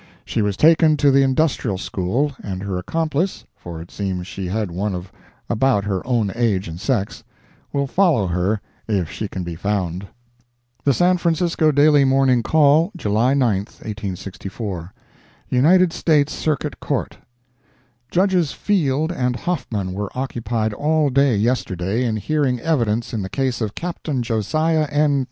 She was taken to the Industrial School, and her accomplice—for it seems she had one of about her own age and sex will follow her if she can be found The San Francisco Daily Morning Call, July 9, 1864 UNITED STATES CIRCUIT COURT Judges Field and Hoffman were occupied all day yesterday in hearing evidence in the case of Captain Josiah N.